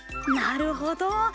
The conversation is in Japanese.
なるほど！